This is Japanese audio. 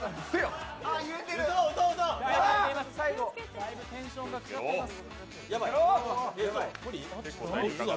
だいぶテンションがかかっています。